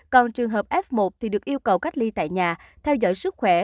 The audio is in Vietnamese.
còn trường hợp f một thì được yêu cầu cách ly tại nhà theo dõi sức khỏe